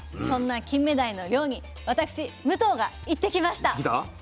そんなキンメダイの漁に私武藤が行ってきました。